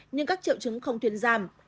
nhưng các triệu chứng không tuyên giảm